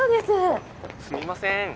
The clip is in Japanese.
すみません。